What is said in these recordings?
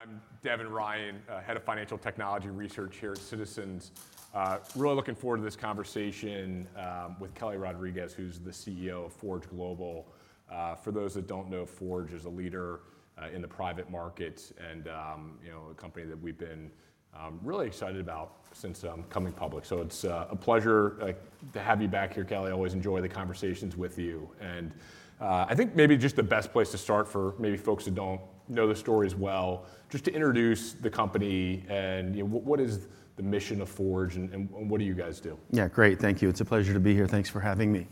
I'm Devin Ryan, Head of Financial Technology Research here at Citizens. Really looking forward to this conversation with Kelly Rodriques, who's the CEO of Forge Global. For those that don't know, Forge is a leader in the private markets and a company that we've been really excited about since coming public. It's a pleasure to have you back here, Kelly. I always enjoy the conversations with you. I think maybe just the best place to start for maybe folks who don't know the story as well, just to introduce the company and what is the mission of Forge and what do you guys do? Yeah, great. Thank you. It's a pleasure to be here. Thanks for having me.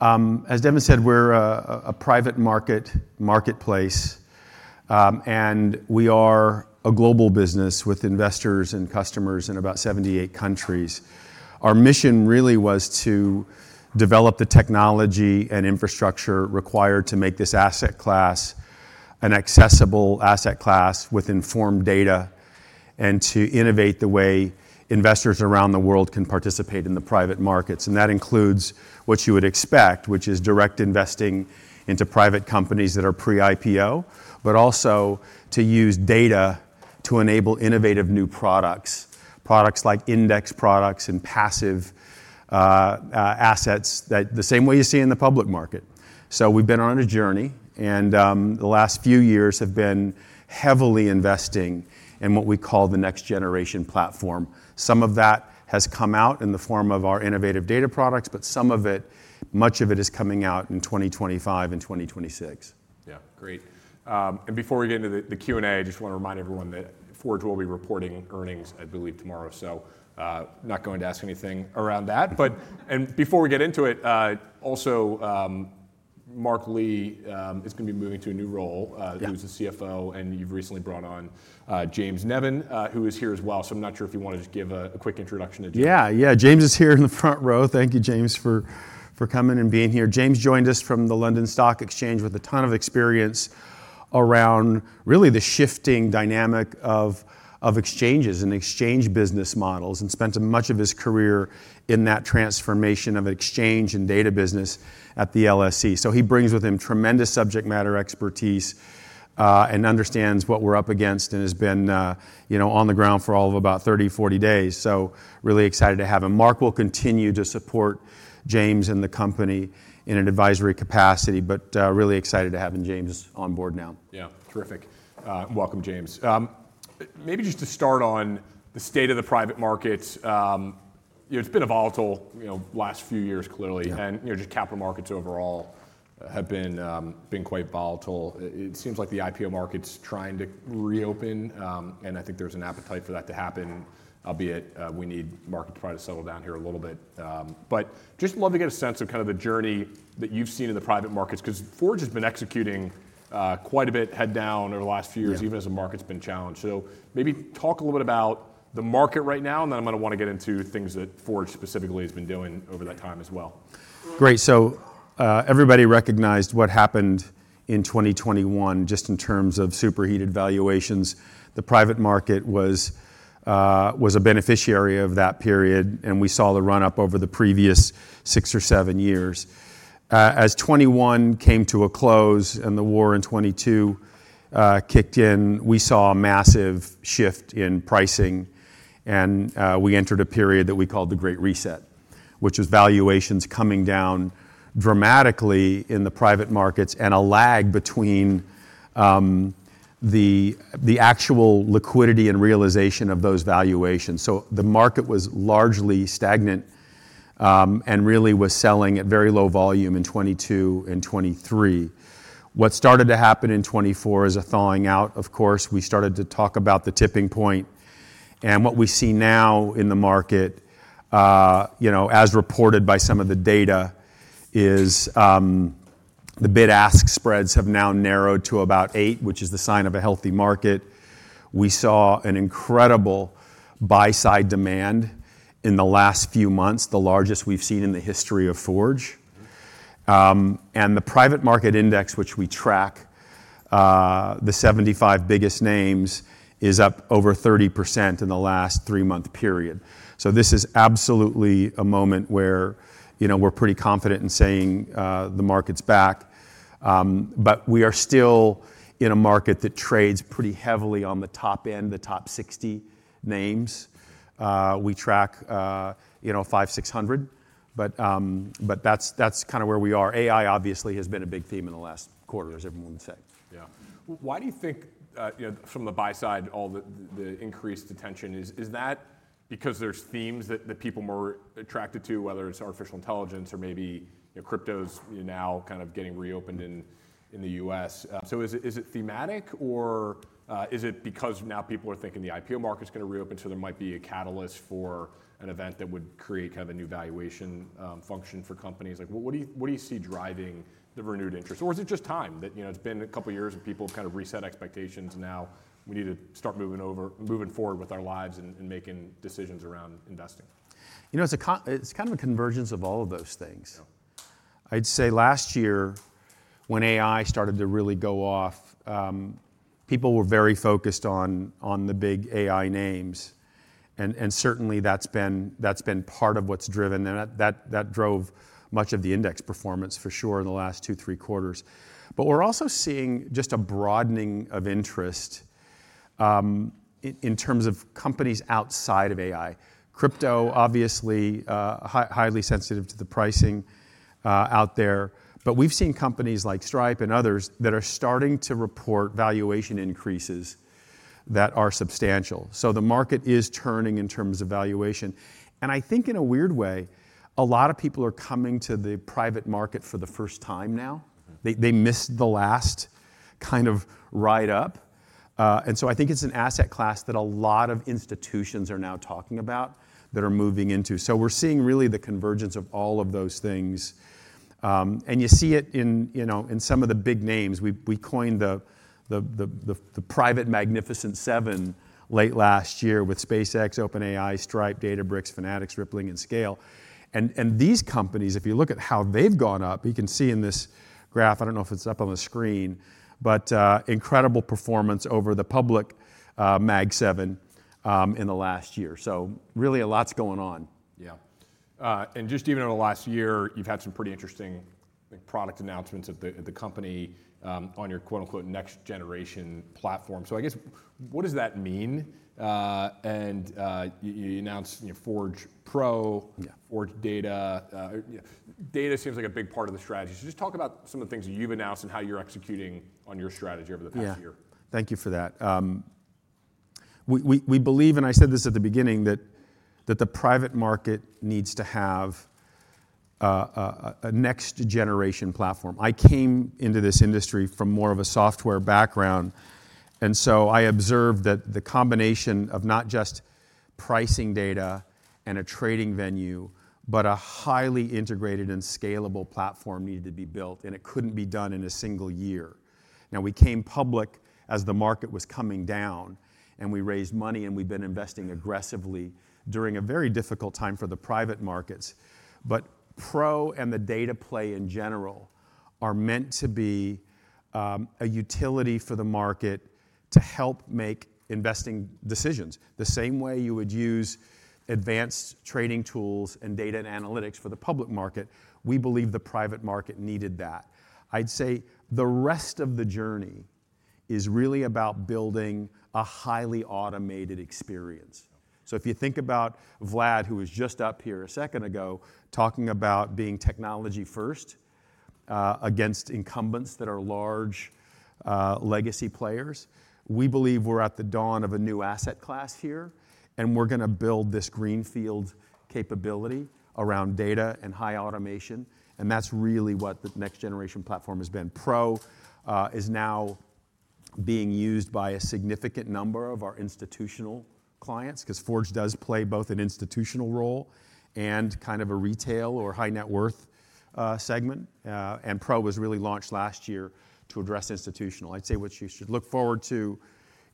As Devin said, we're a private market marketplace, and we are a global business with investors and customers in about 78 countries. Our mission really was to develop the technology and infrastructure required to make this asset class an accessible asset class with informed data and to innovate the way investors around the world can participate in the private markets. That includes what you would expect, which is direct investing into private companies that are pre-IPO, but also to use data to enable innovative new products, products like index products and passive assets that the same way you see in the public market. We have been on a journey, and the last few years have been heavily investing in what we call the next generation platform. Some of that has come out in the form of our innovative data products, but some of it, much of it is coming out in 2025 and 2026. Yeah, great. Before we get into the Q&A, I just want to remind everyone that Forge will be reporting earnings, I believe, tomorrow. I'm not going to ask anything around that. Before we get into it, also, Mark Lee is going to be moving to a new role. He was the CFO, and you've recently brought on James Nevin, who is here as well. I'm not sure if you want to just give a quick introduction to James. Yeah, yeah, James is here in the front row. Thank you, James, for coming and being here. James joined us from the London Stock Exchange with a ton of experience around really the shifting dynamic of exchanges and exchange business models and spent much of his career in that transformation of exchange and data business at the LSE. He brings with him tremendous subject matter expertise and understands what we're up against and has been on the ground for all of about 30-40 days. Really excited to have him. Mark will continue to support James and the company in an advisory capacity, but really excited to have James on board now. Yeah, terrific. Welcome, James. Maybe just to start on the state of the private markets, it's been a volatile last few years, clearly. Just capital markets overall have been quite volatile. It seems like the IPO market's trying to reopen, and I think there's an appetite for that to happen, albeit we need markets to probably settle down here a little bit. Just love to get a sense of kind of the journey that you've seen in the private markets, because Forge has been executing quite a bit head down over the last few years, even as the market's been challenged. Maybe talk a little bit about the market right now, and then I'm going to want to get into things that Forge specifically has been doing over that time as well. Great. Everybody recognized what happened in 2021 just in terms of superheated valuations. The private market was a beneficiary of that period, and we saw the run-up over the previous six or seven years. As 2021 came to a close and the war in 2022 kicked in, we saw a massive shift in pricing, and we entered a period that we called the Great Reset, which was valuations coming down dramatically in the private markets and a lag between the actual liquidity and realization of those valuations. The market was largely stagnant and really was selling at very low volume in 2022 and 2023. What started to happen in 2024 is a thawing out, of course. We started to talk about the tipping point. What we see now in the market, as reported by some of the data, is the bid-ask spreads have now narrowed to about 8%, which is the sign of a healthy market. We saw an incredible buy-side demand in the last few months, the largest we've seen in the history of Forge. The private market index, which we track, the 75 biggest names, is up over 30% in the last three-month period. This is absolutely a moment where we're pretty confident in saying the market's back. We are still in a market that trades pretty heavily on the top end, the top 60 names. We track 500-600, but that's kind of where we are. AI, obviously, has been a big theme in the last quarter, as everyone would say. Yeah. Why do you think from the buy-side, all the increased attention, is that because there's themes that people are more attracted to, whether it's artificial intelligence or maybe crypto is now kind of getting reopened in the U.S.? Is it thematic, or is it because now people are thinking the IPO market's going to reopen, so there might be a catalyst for an event that would create kind of a new valuation function for companies? What do you see driving the renewed interest? Is it just time that it's been a couple of years and people have kind of reset expectations and now we need to start moving forward with our lives and making decisions around investing? You know, it's kind of a convergence of all of those things. I'd say last year when AI started to really go off, people were very focused on the big AI names. Certainly that's been part of what's driven, and that drove much of the index performance for sure in the last two, three quarters. We're also seeing just a broadening of interest in terms of companies outside of AI. Crypto, obviously, highly sensitive to the pricing out there. We've seen companies like Stripe and others that are starting to report valuation increases that are substantial. The market is turning in terms of valuation. I think in a weird way, a lot of people are coming to the private market for the first time now. They missed the last kind of ride-up. I think it's an asset class that a lot of institutions are now talking about that are moving into. We're seeing really the convergence of all of those things. You see it in some of the big names. We coined the Private Magnificent Seven late last year with SpaceX, OpenAI, Stripe, Databricks, Fanatics, Rippling, and Scale. These companies, if you look at how they've gone up, you can see in this graph, I don't know if it's up on the screen, but incredible performance over the Public Mag Seven in the last year. Really a lot's going on. Yeah. Just even over the last year, you've had some pretty interesting product announcements at the company on your "next generation platform." I guess, what does that mean? You announced Forge Pro, Forge Data. Data seems like a big part of the strategy. Just talk about some of the things that you've announced and how you're executing on your strategy over the past year. Yeah, thank you for that. We believe, and I said this at the beginning, that the private market needs to have a next generation platform. I came into this industry from more of a software background. I observed that the combination of not just pricing data and a trading venue, but a highly integrated and scalable platform needed to be built, and it could not be done in a single year. We came public as the market was coming down, and we raised money, and we have been investing aggressively during a very difficult time for the private markets. Pro and the data play in general are meant to be a utility for the market to help make investing decisions. The same way you would use advanced trading tools and data and analytics for the public market, we believe the private market needed that. I'd say the rest of the journey is really about building a highly automated experience. If you think about Vlad, who was just up here a second ago talking about being technology first against incumbents that are large legacy players, we believe we're at the dawn of a new asset class here, and we're going to build this greenfield capability around data and high automation. That's really what the next generation platform has been. Pro is now being used by a significant number of our institutional clients because Forge does play both an institutional role and kind of a retail or high net worth segment. Pro was really launched last year to address institutional. I'd say what you should look forward to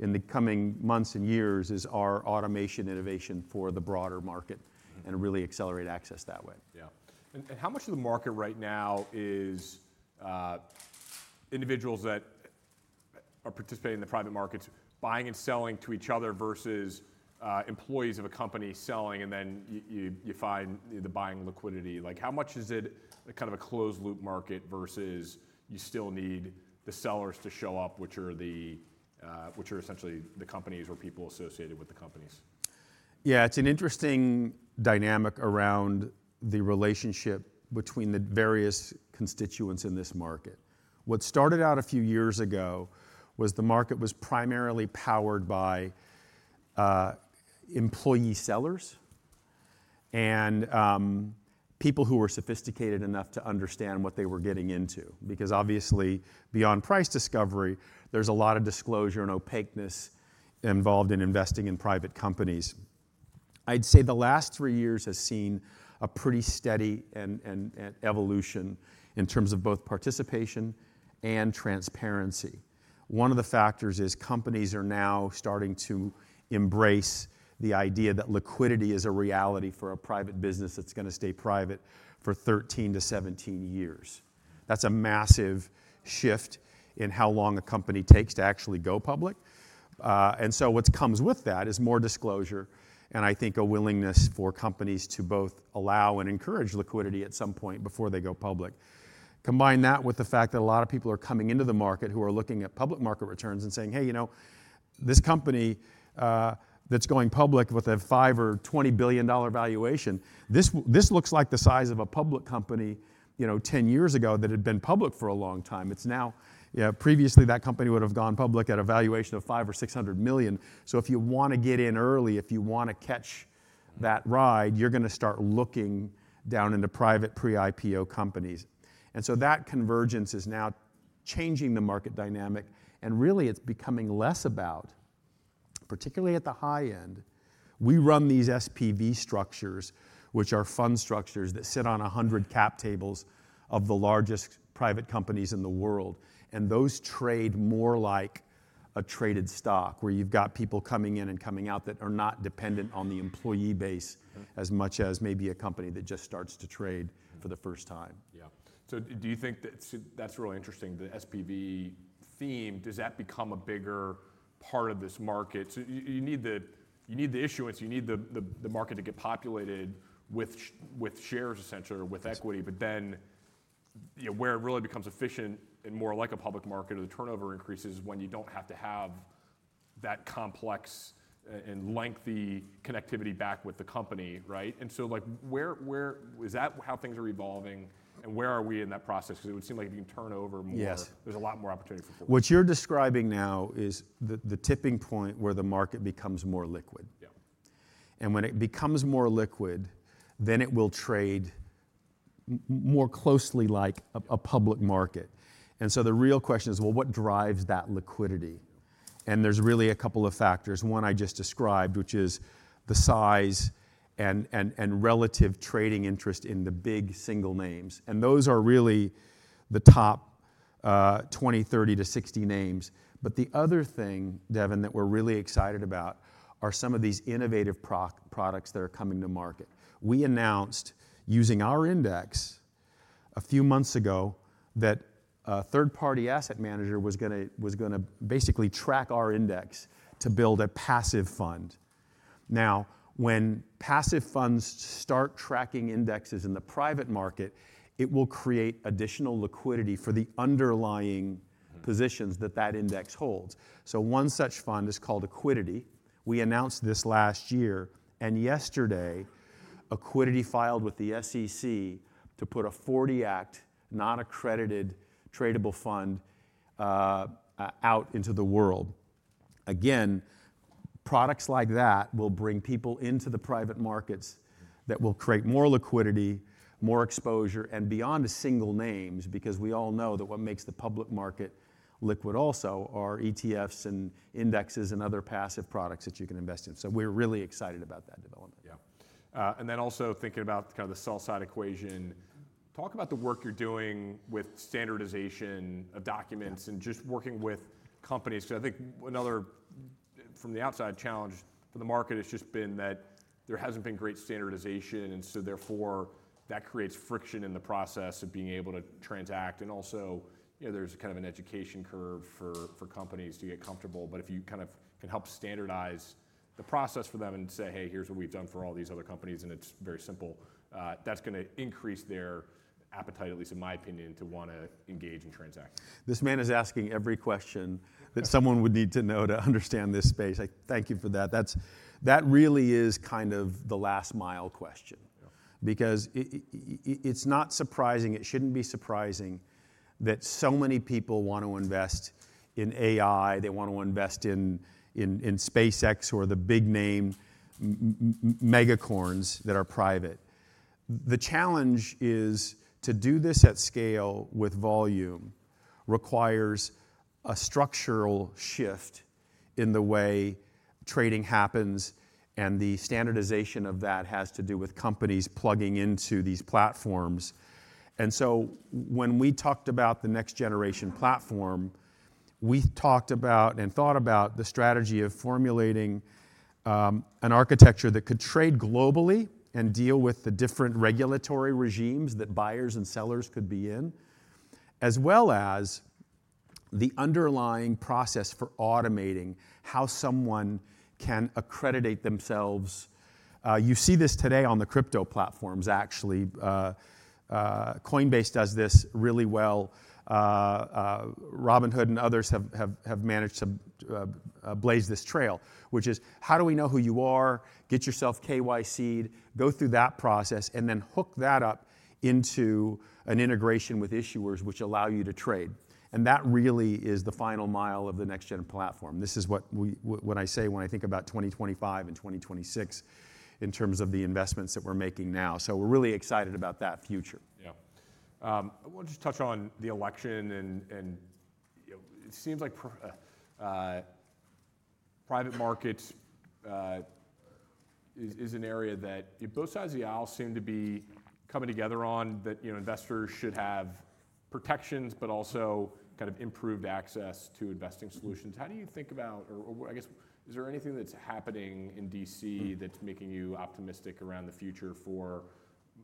in the coming months and years is our automation innovation for the broader market and really accelerate access that way. Yeah. How much of the market right now is individuals that are participating in the private markets buying and selling to each other versus employees of a company selling, and then you find the buying liquidity? How much is it kind of a closed loop market versus you still need the sellers to show up, which are essentially the companies or people associated with the companies? Yeah, it's an interesting dynamic around the relationship between the various constituents in this market. What started out a few years ago was the market was primarily powered by employee sellers and people who were sophisticated enough to understand what they were getting into. Because obviously, beyond price discovery, there's a lot of disclosure and opaqueness involved in investing in private companies. I'd say the last three years has seen a pretty steady evolution in terms of both participation and transparency. One of the factors is companies are now starting to embrace the idea that liquidity is a reality for a private business that's going to stay private for 13 to 17 years. That's a massive shift in how long a company takes to actually go public. What comes with that is more disclosure, and I think a willingness for companies to both allow and encourage liquidity at some point before they go public. Combine that with the fact that a lot of people are coming into the market who are looking at public market returns and saying, "Hey, you know, this company that's going public with a $5 billion or $20 billion valuation, this looks like the size of a public company 10 years ago that had been public for a long time." Previously, that company would have gone public at a valuation of $500 million or $600 million. If you want to get in early, if you want to catch that ride, you're going to start looking down into private pre-IPO companies. That convergence is now changing the market dynamic. It's becoming less about, particularly at the high end, we run these SPV structures, which are fund structures that sit on 100 cap tables of the largest private companies in the world. Those trade more like a traded stock where you've got people coming in and coming out that are not dependent on the employee base as much as maybe a company that just starts to trade for the first time. Yeah. Do you think that's really interesting, the SPV theme? Does that become a bigger part of this market? You need the issuance, you need the market to get populated with shares, essentially, or with equity. Where it really becomes efficient and more like a public market or the turnover increases is when you do not have to have that complex and lengthy connectivity back with the company, right? Is that how things are evolving, and where are we in that process? It would seem like you can turn over more. There is a lot more opportunity for. What you're describing now is the tipping point where the market becomes more liquid. When it becomes more liquid, then it will trade more closely like a public market. The real question is, well, what drives that liquidity? There are really a couple of factors, one I just described, which is the size and relative trading interest in the big single names. Those are really the top 20, 30-60 names. The other thing, Devin, that we're really excited about are some of these innovative products that are coming to market. We announced using our index a few months ago that a third-party asset manager was going to basically track our index to build a passive fund. Now, when passive funds start tracking indexes in the private market, it will create additional liquidity for the underlying positions that that index holds. One such fund is called Equidity. We announced this last year. Yesterday, Equidity filed with the SEC to put a 40-act, non-accredited tradable fund out into the world. Again, products like that will bring people into the private markets that will create more liquidity, more exposure, and beyond the single names, because we all know that what makes the public market liquid also are ETFs and indexes and other passive products that you can invest in. We are really excited about that development. Yeah. Also thinking about kind of the sell-side equation, talk about the work you're doing with standardization of documents and just working with companies. I think another from the outside challenge for the market has just been that there hasn't been great standardization, and so therefore that creates friction in the process of being able to transact. Also there's kind of an education curve for companies to get comfortable. If you kind of can help standardize the process for them and say, "Hey, here's what we've done for all these other companies," and it's very simple, that's going to increase their appetite, at least in my opinion, to want to engage and transact. This man is asking every question that someone would need to know to understand this space. I thank you for that. That really is kind of the last mile question. It is not surprising, it should not be surprising that so many people want to invest in AI, they want to invest in SpaceX or the big name Megacorns that are private. The challenge is to do this at scale with volume requires a structural shift in the way trading happens, and the standardization of that has to do with companies plugging into these platforms. When we talked about the next generation platform, we talked about and thought about the strategy of formulating an architecture that could trade globally and deal with the different regulatory regimes that buyers and sellers could be in, as well as the underlying process for automating how someone can accreditate themselves. You see this today on the crypto platforms, actually. Coinbase does this really well. Robinhood and others have managed to blaze this trail, which is how do we know who you are, get yourself KYCed, go through that process, and then hook that up into an integration with issuers, which allow you to trade. That really is the final mile of the next-gen platform. This is what I say when I think about 2025 and 2026 in terms of the investments that we're making now. We are really excited about that future. Yeah. I want to just touch on the election. It seems like private markets is an area that both sides of the aisle seem to be coming together on, that investors should have protections, but also kind of improved access to investing solutions. How do you think about, or I guess, is there anything that's happening in D.C. that's making you optimistic around the future for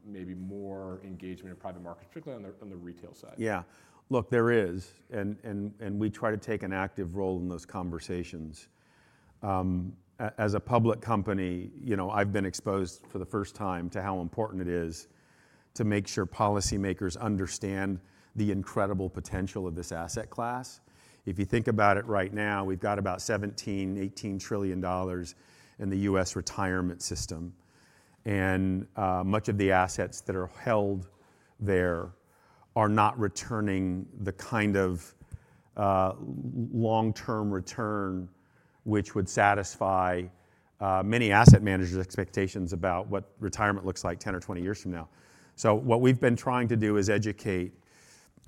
maybe more engagement in private markets, particularly on the retail side? Yeah. Look, there is. And we try to take an active role in those conversations. As a public company, I've been exposed for the first time to how important it is to make sure policymakers understand the incredible potential of this asset class. If you think about it right now, we've got about $17 trillion-$18 trillion in the U.S. Retirement System. And much of the assets that are held there are not returning the kind of long-term return which would satisfy many asset managers' expectations about what retirement looks like 10 or 20 years from now. So what we've been trying to do is educate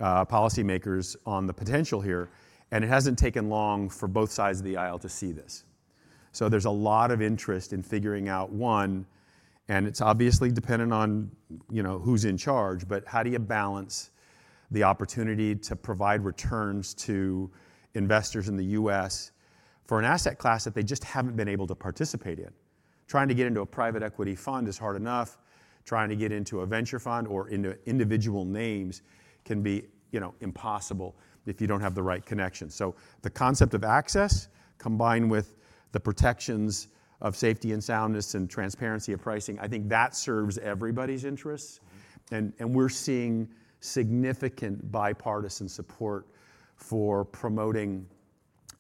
policymakers on the potential here. It hasn't taken long for both sides of the aisle to see this. There is a lot of interest in figuring out, one, and it's obviously dependent on who's in charge, but how do you balance the opportunity to provide returns to investors in the US for an asset class that they just haven't been able to participate in? Trying to get into a private equity fund is hard enough. Trying to get into a venture fund or into individual names can be impossible if you don't have the right connections. The concept of access combined with the protections of safety and soundness and transparency of pricing, I think that serves everybody's interests. We are seeing significant bipartisan support for promoting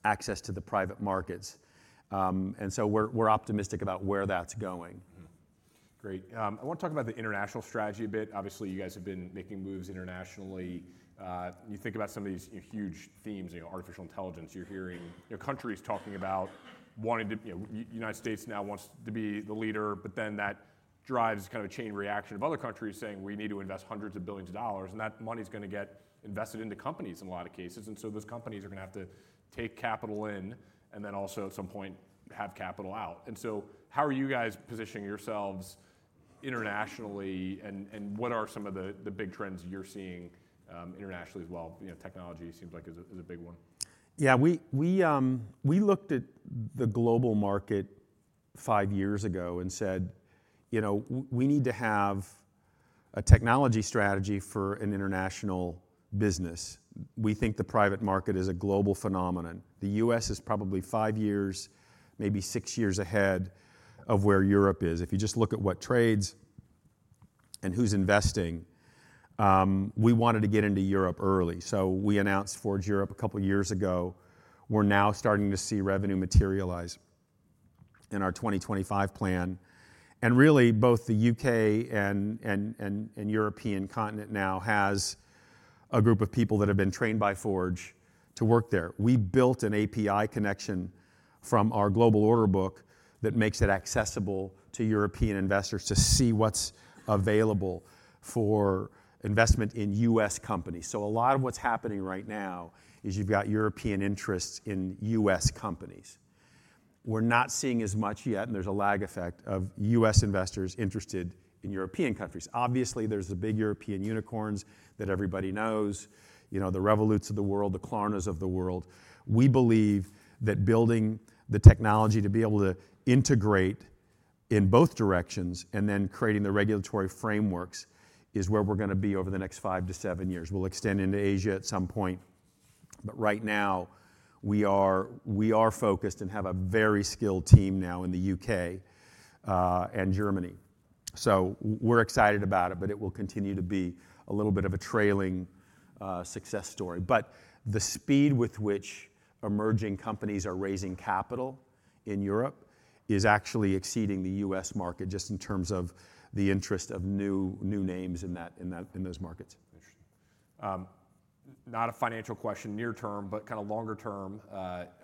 access to the private markets. We are optimistic about where that's going. Great. I want to talk about the international strategy a bit. Obviously, you guys have been making moves internationally. You think about some of these huge themes, artificial intelligence, you're hearing countries talking about wanting to, the U.S. now wants to be the leader, but that drives kind of a chain reaction of other countries saying, "We need to invest hundreds of billions of dollars," and that money's going to get invested into companies in a lot of cases. Those companies are going to have to take capital in and then also at some point have capital out. How are you guys positioning yourselves internationally and what are some of the big trends you're seeing internationally as well? Technology seems like is a big one. Yeah. We looked at the global market five years ago and said, "We need to have a technology strategy for an international business." We think the private market is a global phenomenon. The U.S. is probably five years, maybe six years ahead of where Europe is. If you just look at what trades and who's investing, we wanted to get into Europe early. We announced Forge Europe a couple of years ago. We're now starting to see revenue materialize in our 2025 plan. Really, both the U.K. and European continent now has a group of people that have been trained by Forge to work there. We built an API connection from our global order book that makes it accessible to European investors to see what's available for investment in U.S. companies. A lot of what's happening right now is you've got European interests in U.S. companies. We're not seeing as much yet, and there's a lag effect of U.S. investors interested in European countries. Obviously, there's the big European unicorns that everybody knows, the Revoluts of the world, the Klarnas of the world. We believe that building the technology to be able to integrate in both directions and then creating the regulatory frameworks is where we're going to be over the next five to seven years. We'll extend into Asia at some point. Right now, we are focused and have a very skilled team now in the U.K. and Germany. We're excited about it, but it will continue to be a little bit of a trailing success story. The speed with which emerging companies are raising capital in Europe is actually exceeding the U.S. market just in terms of the interest of new names in those markets. Interesting. Not a financial question near term, but kind of longer term.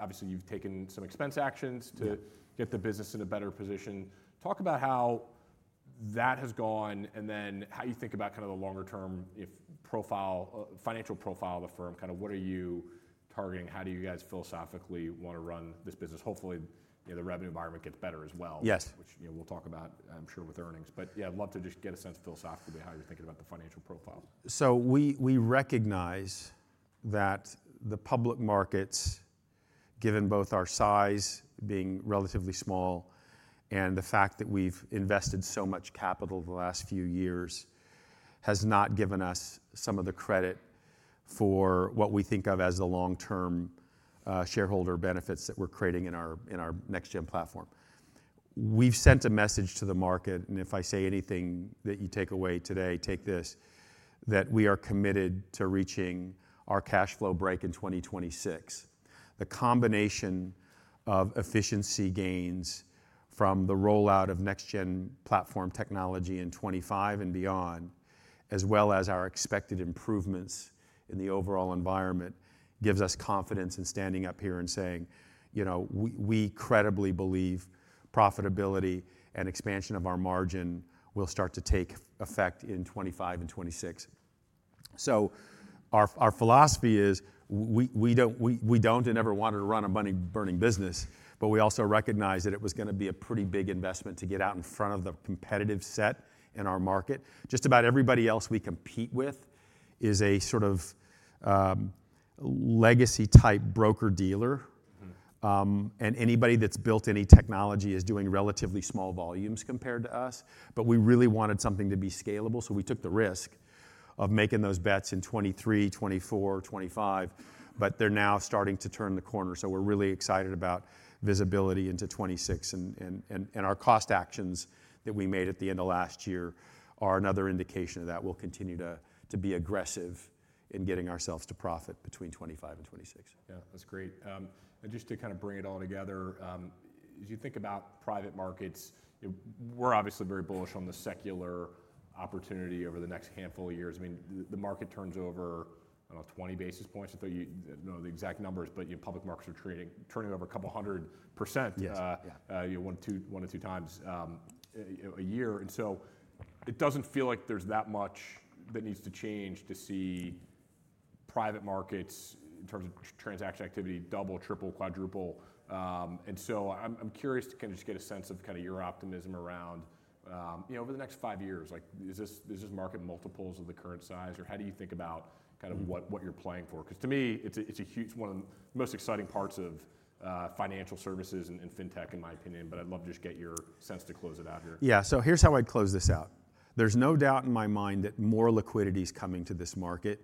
Obviously, you've taken some expense actions to get the business in a better position. Talk about how that has gone and then how you think about kind of the longer-term financial profile of the firm. Kind of what are you targeting? How do you guys philosophically want to run this business? Hopefully, the revenue environment gets better as well, which we'll talk about, I'm sure, with earnings. Yeah, I'd love to just get a sense philosophically how you're thinking about the financial profile. We recognize that the public markets, given both our size being relatively small and the fact that we've invested so much capital the last few years, has not given us some of the credit for what we think of as the long-term shareholder benefits that we're creating in our next-gen platform. We've sent a message to the market, and if I say anything that you take away today, take this, that we are committed to reaching our cash flow break in 2026. The combination of efficiency gains from the rollout of next generation platform technology in 2025 and beyond, as well as our expected improvements in the overall environment, gives us confidence in standing up here and saying, "We credibly believe profitability and expansion of our margin will start to take effect in 2025 and 2026." Our philosophy is we do not and never wanted to run a money-burning business, but we also recognize that it was going to be a pretty big investment to get out in front of the competitive set in our market. Just about everybody else we compete with is a sort of legacy type broker-dealer, and anybody that has built any technology is doing relatively small volumes compared to us. We really wanted something to be scalable, so we took the risk of making those bets in 2023, 2024, 2025, but they are now starting to turn the corner. We are really excited about visibility into 2026. Our cost actions that we made at the end of last year are another indication of that. We will continue to be aggressive in getting ourselves to profit between 2025 and 2026. Yeah, that's great. Just to kind of bring it all together, as you think about private markets, we're obviously very bullish on the secular opportunity over the next handful of years. I mean, the market turns over, I don't know, 20 basis points. I don't know the exact numbers, but public markets are turning over a couple hundred percent one to two times a year. It doesn't feel like there's that much that needs to change to see private markets in terms of transaction activity double, triple, quadruple. I'm curious to kind of just get a sense of kind of your optimism around over the next five years. Is this market multiples of the current size, or how do you think about kind of what you're playing for? Because to me, it's one of the most exciting parts of financial services and fintech, in my opinion, but I'd love to just get your sense to close it out here. Yeah. Here is how I'd close this out. There is no doubt in my mind that more liquidity is coming to this market,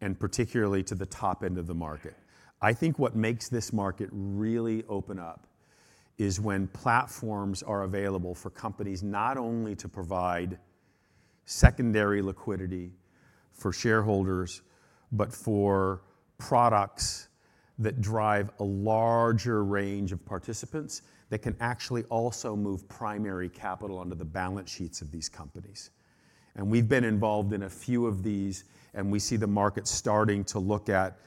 and particularly to the top end of the market. I think what makes this market really open up is when platforms are available for companies not only to provide secondary liquidity for shareholders, but for products that drive a larger range of participants that can actually also move primary capital onto the balance sheets of these companies. We have been involved in a few of these, and we see the market starting to look at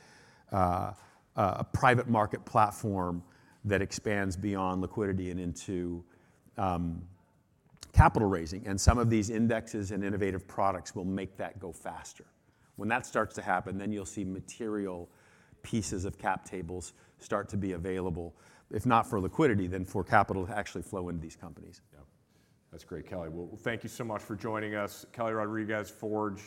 a private market platform that expands beyond liquidity and into capital raising. Some of these indexes and innovative products will make that go faster. When that starts to happen, then you'll see material pieces of cap tables start to be available, if not for liquidity, then for capital to actually flow into these companies. Yeah. That's great, Kelly. Thank you so much for joining us. Kelly Rodriques, Forge.